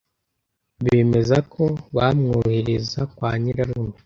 bemeza ko bamwohereza kwa nyirarume